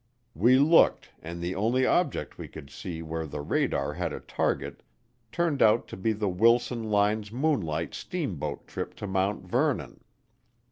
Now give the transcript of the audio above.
We looked and the only object we could see where the radar had a target turned out to be the Wilson Lines moonlight steamboat trip to Mount Vernon.